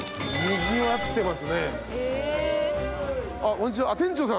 こんにちは。